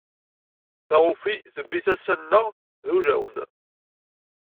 Taɣufi tbbi tasa nnɣ d ulawn.